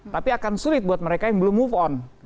tapi akan sulit buat mereka yang belum move on